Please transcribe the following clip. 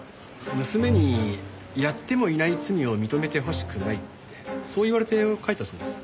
娘にやってもいない罪を認めてほしくないってそう言われて書いたそうです。